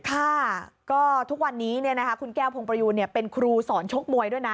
ค่ะก็ทุกวันนี้คุณแก้วพงประยูนเป็นครูสอนชกมวยด้วยนะ